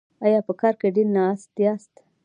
ایا په کار کې ډیر ناست یاست؟